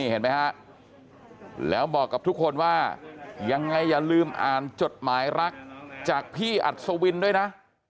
เห็นไหมฮะแล้วบอกกับทุกคนว่ายังไงอย่าลืมอ่านจดหมายรักจากพี่อัศวินด้วยนะ